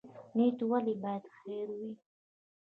نیت ولې باید خیر وي؟